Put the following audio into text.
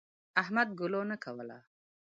احمد ګلو نه کوله.